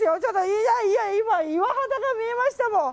いやいや今、岩肌が見えましたもん。